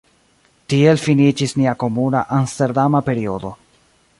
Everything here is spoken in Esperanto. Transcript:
Tiel finiĝis nia komuna Amsterdama periodo.